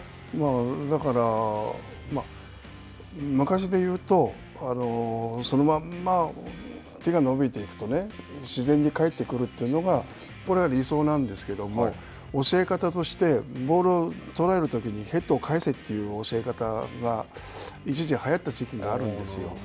だから、昔で言うとそのまま手が伸びていくと自然に返ってくるというのがこれが理想なんですけれども、教え方としてボールを捉えるときに、ヘッドを返せという教え方が一時はやった時期があるんですよ。